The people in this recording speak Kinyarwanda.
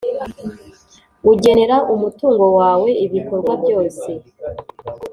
Ugenera umutungo wawe ibikorwa byose